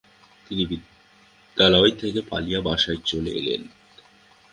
তিনি বিদ্যালয় থেকে পালিয়ে বাসায় চলে এলেন।